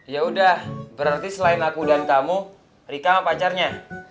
yaudah berarti selain aku dan kamu rika sama pacarnya